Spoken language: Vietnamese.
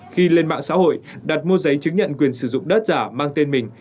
khi lên mạng xã hội đặt mua giấy chứng nhận quyền sử dụng đất giả mang tên mình